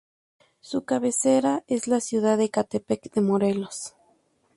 Su cabecera es la ciudad de Ecatepec de Morelos.